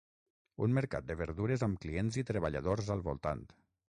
Un mercat de verdures amb clients i treballadors al voltant.